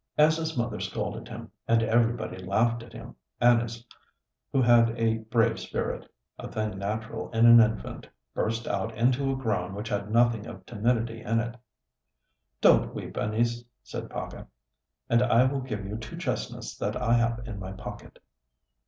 As his mother scolded him, and everybody laughed at him, Anis, who had a brave spirit, a thing natural in an infant, burst out into a groan which had nothing of timidity in it. "Don't weep, Anis," said Paca, "and I will give you two chestnuts that I have in my pocket."